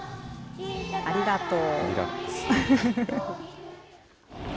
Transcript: ありがとう。